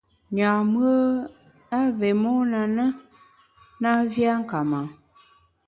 Nyam-ùe i vé mon a na, na vé a nka ma.